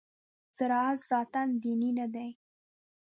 زراعت ذاتاً دیني نه دی.